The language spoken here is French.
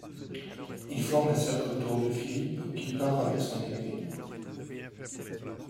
Ils forment un cercle autour de Philippe qui pare avec son épée.